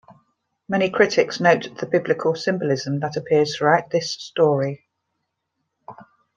Many critics note the biblical symbolism that appears throughout this story.